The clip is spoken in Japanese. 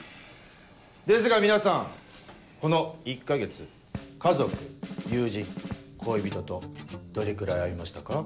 ですが皆さんこの１か月家族友人恋人とどれくらい会いましたか？